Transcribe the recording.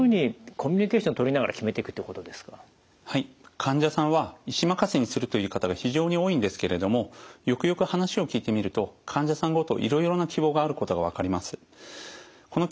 患者さんは医師任せにするという方が非常に多いんですけれどもよくよく話を聞いてみると患者さんごといろいろな希望があることが分かります。